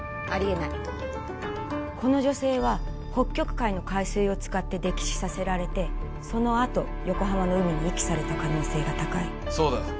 あり得ないこの女性は北極海の海水を使って溺死させられてそのあと横浜の海に遺棄された可能性が高いそうだ